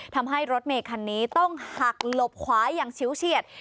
ทำให้รถเมย์คันนี้ต้องหักหลบขวาอย่างชิวเฉียด